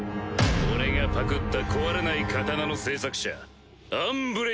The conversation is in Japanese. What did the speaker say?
俺がパクった壊れない刀の製作者不壊！